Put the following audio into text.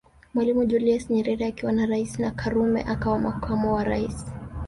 Mwalimu Julius Nyerere akiwa rais na Karume akawa makamu wa rais